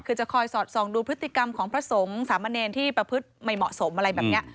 คือจะคอยสอดส่องดูพฤติกรรมของพระสงฆ์สามเณรที่ประพฤติไม่เหมาะสมอะไรแบบนี้